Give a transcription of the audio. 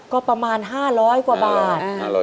ก็ประมาณ๕๐๐กว่าบาท